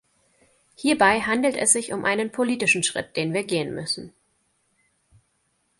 Hierbei handelt es sich um einen politischen Schritt, den wir gehen müssen.